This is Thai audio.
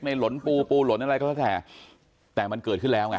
หลนปูปูหลนอะไรก็แล้วแต่แต่มันเกิดขึ้นแล้วไง